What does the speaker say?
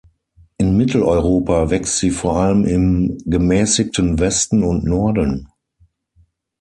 In Mitteleuropa wächst sie vor allem im gemäßigten Westen und Norden.